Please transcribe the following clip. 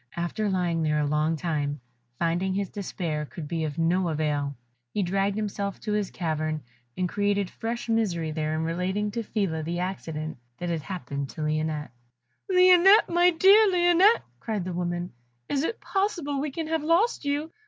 After lying there a long time, finding his despair could be of no avail, he dragged himself to his cavern, and created fresh misery there in relating to Phila the accident that had happened to Lionette. "Lionette! my dear Lionette!" cried the good woman, "is it possible we can have lost you?